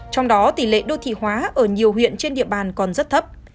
trong đó tỷ lệ đô thị hóa ở nhiều huyện trên địa bàn còn rất thấp